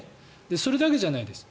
それだけじゃないです。